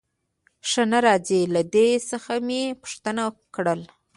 ښه نه راځي، له ده څخه مې پوښتنه وکړل.